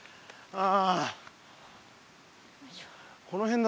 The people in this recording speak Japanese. ああ。